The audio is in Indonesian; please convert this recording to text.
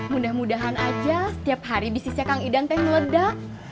mudah mudahan aja setiap hari bisnisnya kang idante meledak